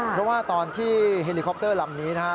เพราะว่าตอนที่เฮลิคอปเตอร์ลำนี้นะครับ